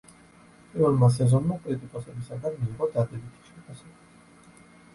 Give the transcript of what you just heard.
პირველმა სეზონმა კრიტიკოსებისაგან მიიღო დადებითი შეფასება.